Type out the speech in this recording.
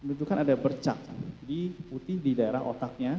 itu kan ada bercak di putih di daerah otaknya